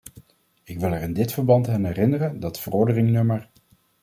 Ik wil er in dit verband aan herinneren dat verordening nr.